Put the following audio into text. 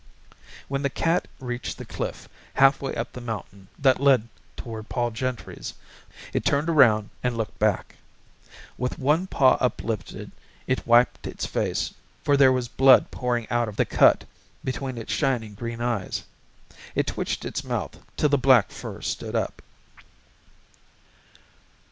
When the cat reached the cliff halfway up the mountain that led toward Pol Gentry's it turned around and looked back. With one paw uplifted it wiped its face for there was blood pouring out of the cut between its shining green eyes. It twitched its mouth till the black fur stood up.